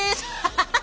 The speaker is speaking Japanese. ハハハ！